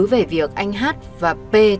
về việc anh hát và p thường xuyên mua rau